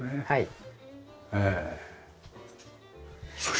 はい。